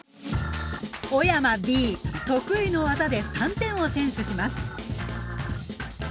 小山Ｂ得意の技で３点を先取します。